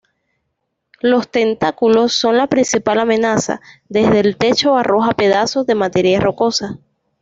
Los tentáculos son la principal amenaza; desde el techo arroja pedazos de materia rocosa.